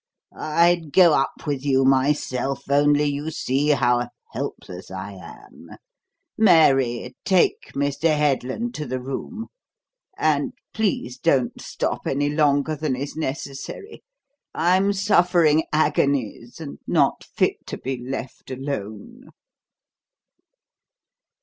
I'd go up with you myself, only you see how helpless I am. Mary, take Mr. Headland to the room. And please don't stop any longer than is necessary. I'm suffering agonies and not fit to be left alone."